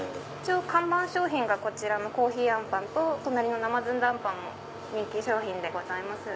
看板商品がこちらの珈琲あんぱんと隣の生ずんだあんぱん人気商品でございます。